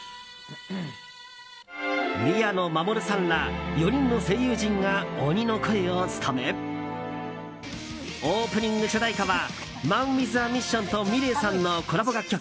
宮野真守さんら４人の声優陣が鬼の声を務めオープニング主題歌はＭＡＮＷＩＴＨＡＭＩＳＳＩＯＮとｍｉｌｅｔさんのコラボ楽曲